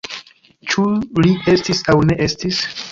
Ĉu li estis aŭ ne estis?